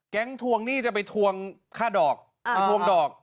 แก๊งทวงหนี้จะไปทวงค่าดอก